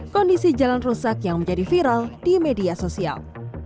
kondisi jalan rusak yang menjadi viral di media sosial